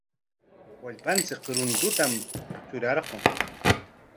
Wallpanchik runtutam trurarqun.